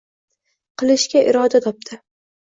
qilishga iroda topdi.